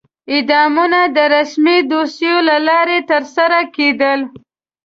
اعدامونه د رسمي دوسیو له لارې ترسره کېدل.